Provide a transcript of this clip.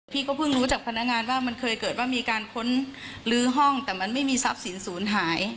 พี่ก็เพิ่งรู้จากพนักงานว่ามันเคยเกิดว่ามีการค้นลื้อห้องแต่มันไม่มีทรัพย์สินศูนย์หาย